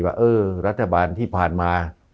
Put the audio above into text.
ว่าเออรัฐบาลที่ผ่านมา